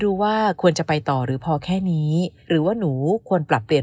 รู้ว่าควรจะไปต่อหรือพอแค่นี้หรือว่าหนูควรปรับเปลี่ยน